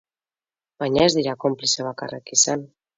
Baina ez dira konplize bakarrak izan.